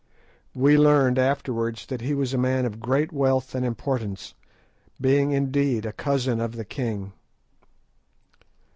We learned afterwards that he was a man of great wealth and importance, being indeed a cousin of the king.